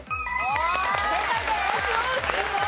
正解です。